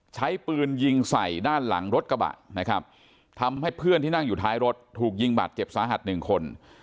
ใช้ปืนยิงใส่ด้านหลังรถกระบะนะครับทำให้เพื่อนที่นั่งอยู่ท้ายรถถูกยิงบาดเจ็บสาหัสหนึ่งคน